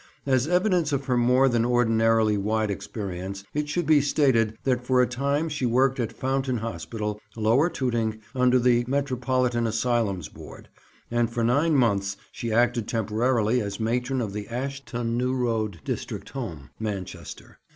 As evidence of her more than ordinarily wide experience, it should be stated that for a time she worked at Fountain Hospital, Lower Tooting, under the Metropolitan Asylums Board; and for nine months she acted temporarily as matron of the Ashton New Road District Home, Manchester.